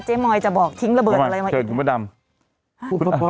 เจ้าหมอยจะบอกทิ้งระเบิดอะไรมาอีก